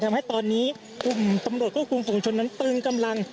ทำให้ตอนนี้กลุ่มตำรวจควบคุมฝุงชนนั้นตึงกำลัง